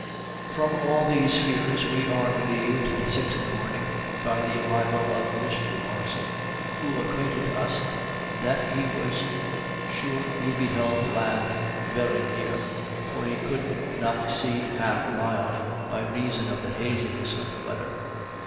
From all these fears we were relieved, at six in the morning, by the arrival of Mr. Morrison, who acquainted us that he was sure he beheld land very near; for he could not see half a mile, by reason of the haziness of the weather.